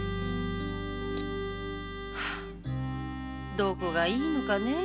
どこがいいのかねぇ